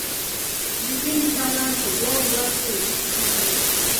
د وینې دوران په دوو برخو ویشل کېږي.